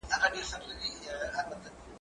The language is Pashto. زه به لوستل کړي وي؟